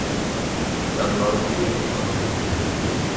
তার লর্ডগিরির কী খবর?